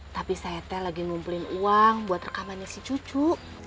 tapi setel lagi ngumpulin uang buat rekamannya si cucu